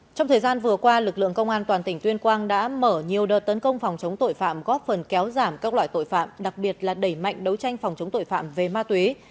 trong thời gian vừa qua lực lượng công an toàn tỉnh tuyên quang đã mở nhiều đợt tấn công phòng chống tội phạm góp phần kéo giảm các loại tội phạm đặc biệt là đẩy mạnh đấu tranh phòng chống tội phạm về ma túy